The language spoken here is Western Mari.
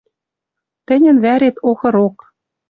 Тӹньӹн вӓрет охырок.